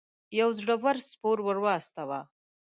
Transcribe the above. یو زړه ور سپور ور واستاوه.